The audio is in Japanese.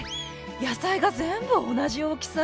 野菜が全部同じ大きさ！